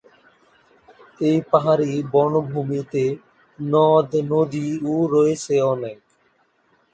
এই পাহাড়ী বনভূমিতে নদ-নদীও রয়েছে অনেক।